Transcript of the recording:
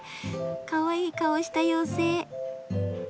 かわいい顔した妖精。